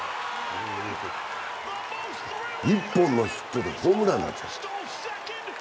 １本のヒットでホームランになっちゃった。